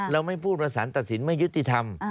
ไม่พูดว่าสารตัดสินไม่ยุติธรรม